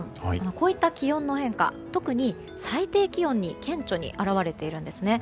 こういった気温の変化特に最低気温に顕著に表れているんです。